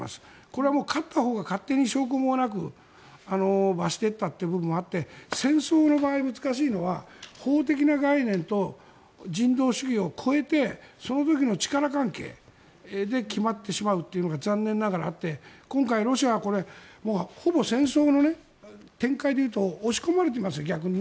これは勝ったほうが勝手に証拠もなく罰していった部分もあって戦争の場合、難しいのは法的な概念と人道主義を超えてその時の力関係で決まってしまうというのが残念ながらあって今回、ロシアはほぼ戦争の展開で言うと押し込まれていますよ、逆に。